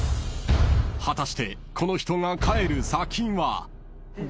［果たしてこの人が帰る先は？］